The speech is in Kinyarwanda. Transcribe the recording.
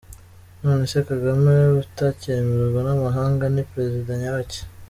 None se, Kagame utacyemerwa n’amahanga, ni President nyabaki???!!!